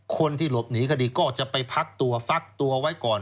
คนที่หลบหนีคดีก็จะไปพักตัวฟักตัวไว้ก่อน